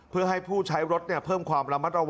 เพื่อให้ผู้ใช้รถเพิ่มความระมัดระวัง